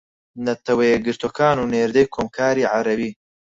نەتەوە یەکگرتووەکان و نێردەی کۆمکاری عەرەبی